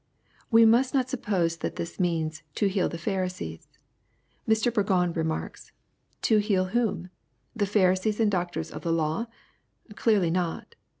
] We must not suppose that this means "t heal the Pharisees." Mr. Burgon remarks: "To heal whom? The Pharisees and doctors of the law ? Clearly not.